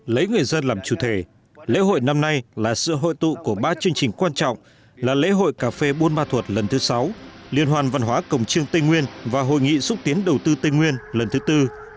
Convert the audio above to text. lấy người dân làm chủ thể lễ hội năm nay là sự hội tụ của ba chương trình quan trọng là lễ hội cà phê buôn ma thuột lần thứ sáu liên hoàn văn hóa cổng trương tây nguyên và hội nghị xúc tiến đầu tư tây nguyên lần thứ tư